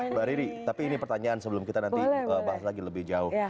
mbak riri tapi ini pertanyaan sebelum kita nanti bahas lagi lebih jauh